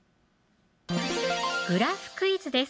グラフクイズです